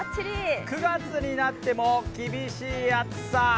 ９月になっても厳しい暑さ。